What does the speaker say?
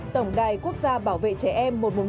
tổng đài quốc gia bảo vệ trẻ em một trăm một mươi một